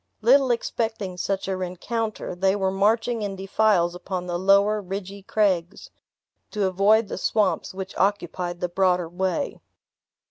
Little expecting such a rencounter, they were marching in defiles upon the lower ridgy craigs, to avoid the swamps which occupied the broader way.